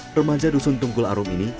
remaja dusun tunggul arum ini